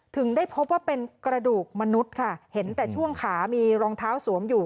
ถึงได้พบว่าเป็นกระดูกมนุษย์ค่ะเห็นแต่ช่วงขามีรองเท้าสวมอยู่